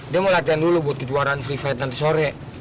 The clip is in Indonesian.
dia mau latihan dulu buat kejuaraan free fight nanti sore